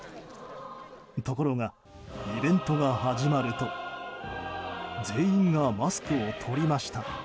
ところが、イベントが始まると全員がマスクを取りました。